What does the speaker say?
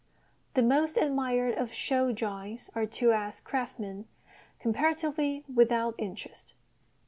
The most admired of show drawings are to us craftsmen comparatively without interest.